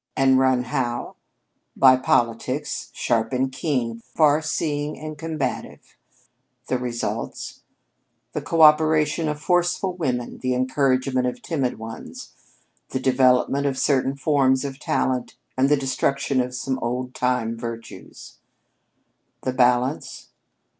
And run how? By politics, sharp and keen, far seeing and combative. The results? The coöperation of forceful women, the encouragement of timid ones; the development of certain forms of talent, and the destruction of some old time virtues. The balance?